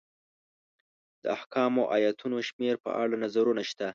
د احکامو ایتونو شمېر په اړه نظرونه شته.